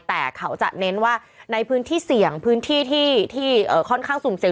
แต่เขาจะเน้นว่าในพื้นที่เสี่ยงพื้นที่ที่ค่อนข้างสุ่มเสีย